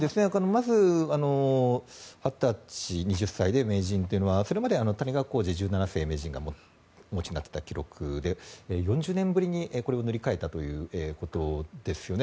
まず２０歳で名人というのはそれまで谷川浩司十七世名人がお持ちになっていた記録で４０年ぶりにこれを塗り替えたということですよね。